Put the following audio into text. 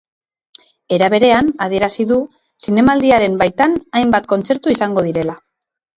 Era berean, adierazi du, zinemaldiaren baitan hainbat kontzertu izango direla.